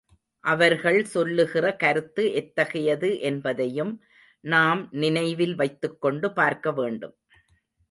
அவர்கள் சொல்லுகிற கருத்து எத்தகையது என்பதையும் நாம் நினைவில் வைத்துக்கொண்டு பார்க்க வேண்டும்.